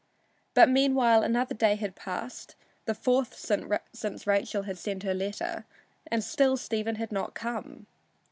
But meanwhile another day had passed the fourth since Rachel had sent her letter and still Stephen had not come.